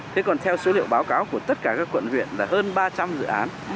thế còn theo số liệu báo cáo của tất cả các quận huyện là hơn ba trăm linh dự án